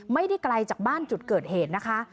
ไม่ได้ไกลจากบ้านจุดเกิดเหตุนะคะ